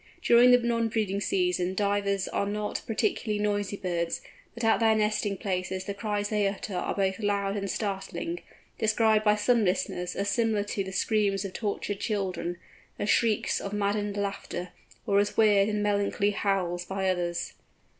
During the non breeding season Divers are not particularly noisy birds, but at their nesting places the cries they utter are both loud and startling, described by some listeners as similar to the screams of tortured children; as shrieks of maddened laughter, or as weird and melancholy howls by others.